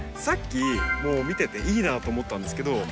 さっきもう見てていいなと思ったんですけど